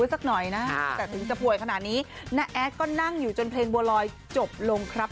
สักหน่อยนะแต่ถึงจะป่วยขนาดนี้น้าแอดก็นั่งอยู่จนเพลงบัวลอยจบลงครับ